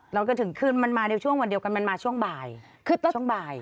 แล้วก็ถึงคือมันมาเดียวช่วงวันเดียวกันมันมาช่วงบ่าย